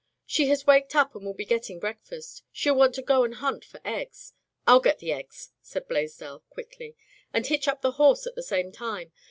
"She has waked up and will be getting breakfast. She'll want to go and hunt for eggs." " ril get the eggs," said Blaisdell, quickly, "and hitch up the horse at the same time.